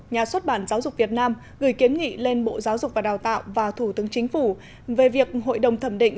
nhà xuất bản giáo dục việt nam gửi kiến nghị lên bộ giáo dục và đào tạo và thủ tướng chính phủ về việc hội đồng thẩm định